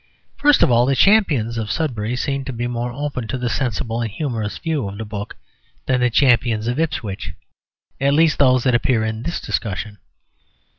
First of all, the champions of Sudbury seem to be more open to the sensible and humorous view of the book than the champions of Ipswich at least, those that appear in this discussion.